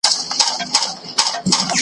زما د پنځو ورځو پسرلي ته سترګي مه نیسه .